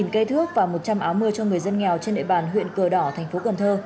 hai cây thước và một trăm linh áo mưa cho người dân nghèo trên địa bàn huyện cờ đỏ tp cn